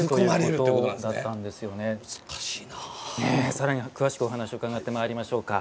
更に詳しくお話を伺ってまいりましょうか。